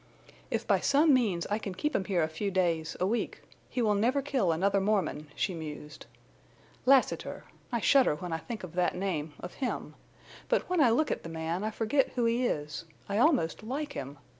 "If by some means I can keep him here a few days, a week—he will never kill another Mormon," she mused. "Lassiter!... I shudder when I think of that name, of him. But when I look at the man I forget who he is—I almost like him.